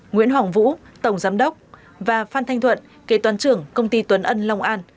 nguyễn hoàng vũ tổng giám đốc và phan thanh thuận kế toán trưởng công ty tuấn ân long an